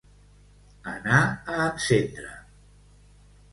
Anar a encendre.